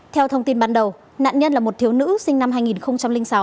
theo thông tin ban đầu nạn nhân là một thiếu nữ sinh năm hai nghìn sáu